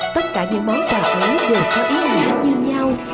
tất cả những món quà đều có ý nghĩa như nhau